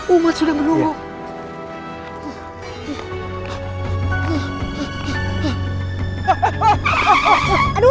umat sudah menunggu